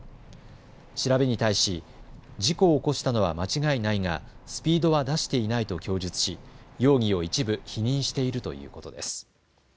調べに対し事故を起こしたのは間違いないがスピードは出していないと供述し、容疑を一部否認しているということです。